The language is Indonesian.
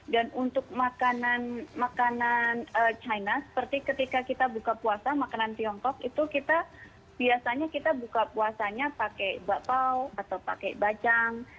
dan untuk makanan china seperti ketika kita buka puasa makanan tiongkok itu kita biasanya kita buka puasanya pakai bakpao atau pakai bacang